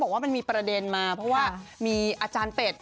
ว่ามันมีประเด็นมาเพราะว่ามีอาจารย์เป็ด